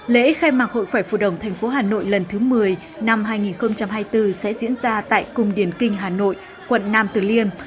lễ khai mạc hội khoẻ phù đồng tp hà nội lần thứ một mươi năm hai nghìn hai mươi bốn sẽ diễn ra tại cung điển kinh hà nội quận nam từ liên